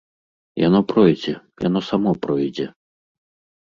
Яно пройдзе, яно само пройдзе.